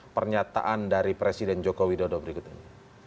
pernyataan dari presiden jokowi dodo berikut ini